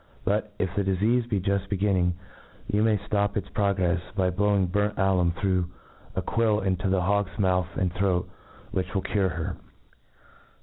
But, if the difeafe be juft beginning, you may flop its progrefs, by Wowing burnt allum through Z quill into the hawk's mouth and throat, which will cure her.